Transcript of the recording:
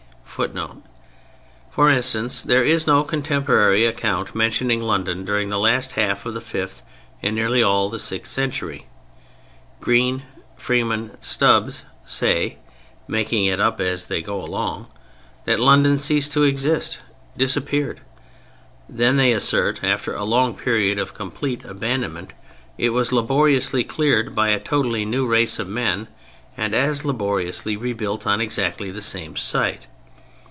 [Footnote: For instance, there is no contemporary account mentioning London during the last half of the fifth and nearly all the sixth century. Green, Freeman, Stubbs, say (making it up as they go along) that London ceased to exist: disappeared! Then (they assert) after a long period of complete abandonment it was laboriously cleared by a totally new race of men and as laboriously rebuilt on exactly the same site.